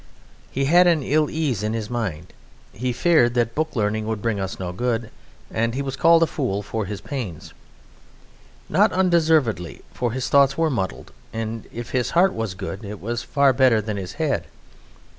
He had an ill ease in his mind. He feared that book learning would bring us no good, and he was called a fool for his pains. Not undeservedly for his thoughts were muddled, and if his heart was good it was far better than his head.